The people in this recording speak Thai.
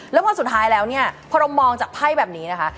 แล้วพอสุดท้ายแล้วเนี่ยพอเรามองจากไพ่แบบนี้นะคะ